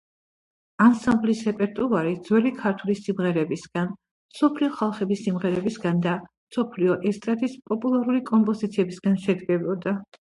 ანსამბლის რეპერტუარი ძველი ქართული სიმღერებისგან, მსოფლიო ხალხების სიმღერებისგან და მსოფლიო ესტრადის პოპულარული კომპოზიციებისგან შედგებოდა.